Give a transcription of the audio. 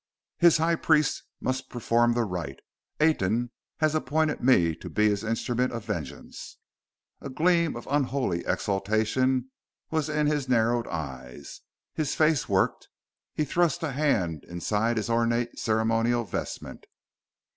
"His High Priest must perform the rite! Aten has appointed me to be His instrument of vengeance!" A gleam of unholy exultation was in his narrowed eyes. His face worked: he thrust a hand inside his ornate ceremonial vestment.